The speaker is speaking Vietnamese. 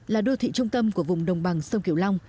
là đô thị trung tâm của vùng đồng bằng sông kiều long